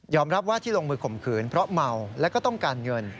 รับว่าที่ลงมือข่มขืนเพราะเมาแล้วก็ต้องการเงิน